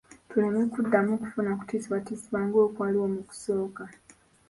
Tuleme kuddamu kufuna kutiisibwatiisibwa ng'okwaliwo mu kusooka.